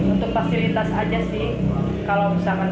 untuk fasilitas aja sih kalau misalkan kayak timbangan